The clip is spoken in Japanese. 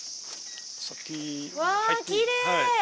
うわきれい！